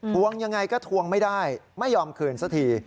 วงยังไงก็ทวงไม่ได้ไม่ยอมคืนสักที